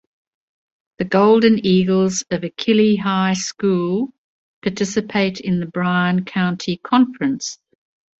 The Golden Eagles of Achille High School participate in the Bryan County Conference.